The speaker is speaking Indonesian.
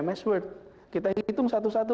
ms word kita hitung satu satu